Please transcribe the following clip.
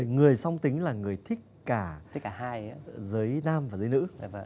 người song tính là người thích cả giới nam và giới nữ